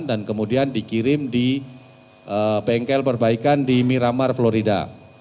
dan kemudian dikirim di bengkel perbaikan di miramar florida